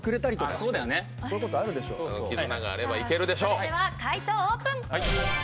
それでは解答オープン。